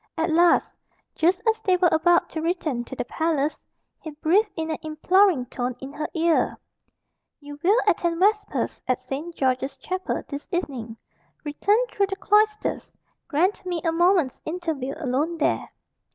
At last, just as they were about to return to the palace, he breathed in an imploring tone in her ear "You will attend vespers at Saint George's Chapel this evening. Return through the cloisters. Grant me a moment's interview alone there."